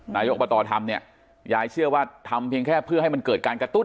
นายกอบตทำเนี่ยยายเชื่อว่าทำเพียงแค่เพื่อให้มันเกิดการกระตุ้น